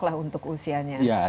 lah untuk usianya